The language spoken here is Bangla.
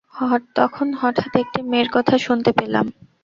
তখন হঠাৎ একটি মেয়ের কথা শুনতে পেলাম।